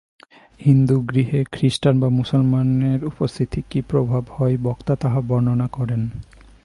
হিন্দুগৃহে খ্রীষ্টান বা মুসলমানের উপস্থিতিতে কি প্রভাব হয়, বক্তা তাহা বর্ণনা করেন।